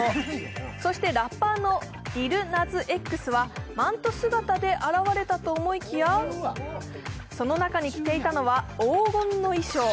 そしてラッパーのリル・ナズ・Ｘはマント姿で現れたと思いきやその中に着ていたのは黄金の衣装。